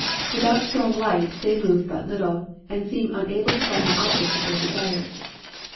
Without strong light they move but little, and seem unable to find the object of their desire.